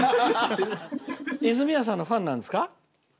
泉谷さんのファンなんですか？